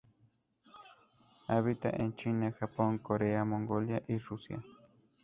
Habita en China, Japón, Corea, Mongolia y Rusia.